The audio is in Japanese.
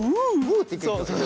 ウっていけるよ。